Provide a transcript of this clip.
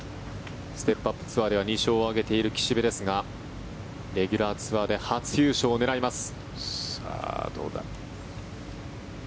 ステップ・アップ・ツアーでは２勝を挙げている岸部ですがレギュラーツアーで初優勝を狙います。